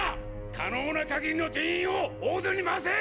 可能な限りの人員をオードゥンに回せ！！